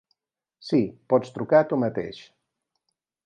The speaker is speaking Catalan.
Sí, pots trucar tu mateix.